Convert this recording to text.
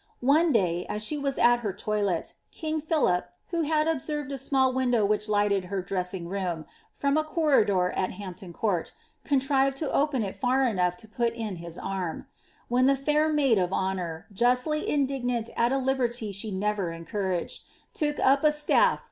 One day, aa she was ai hit loiletle, king Philip, who had observed a smtll window which lighl«A' her dressing room, from a corridor at Hampton CuurU contrived to op^ il far enough to put in his arm ; when the fair maid of honour, justi j initigiiant at a liberty she never encouraged, look up a siafT.